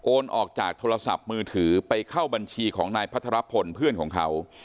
ออกจากโทรศัพท์มือถือไปเข้าบัญชีของนายพัทรพลเพื่อนของเขา